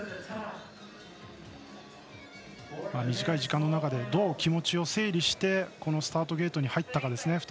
短い時間の中でどう気持ちを整理してこのスタートゲートに入ったかですね